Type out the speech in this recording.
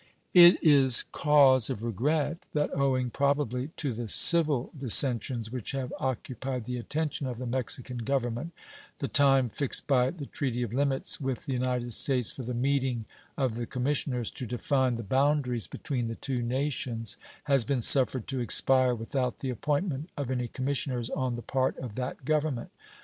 It is cause of regret that, owing, probably, to the civil dissensions which have occupied the attention of the Mexican Government, the time fixed by the treaty of limits with the United States for the meeting of the commissioners to define the boundaries between the two nations has been suffered to expire without the appointment of any commissioners on the part of that Government.